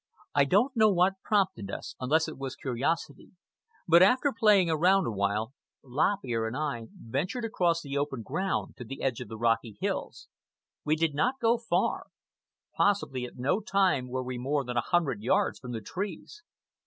I don't know what prompted us, unless it was curiosity; but after playing around awhile, Lop Ear and I ventured across the open ground to the edge of the rocky hills. We did not go far. Possibly at no time were we more than a hundred yards from the trees.